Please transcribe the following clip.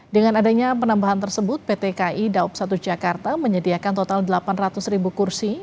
dengan adanya penambahan tersebut pt ki daup satu jakarta menyediakan total delapan ratus ribu kursi